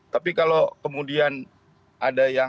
tapi kalau kemudian ada yang